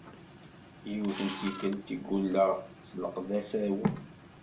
Yiwet n tikkelt i ggulleɣ s leqdasa-w.